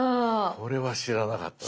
これは知らなかったぞ。